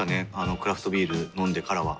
クラフトビール飲んでからは。